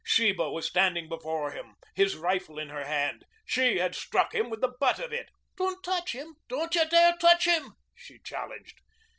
Sheba was standing before him, his rifle in her hand. She had struck him with the butt of it. "Don't touch him! Don't you dare touch him!" she challenged.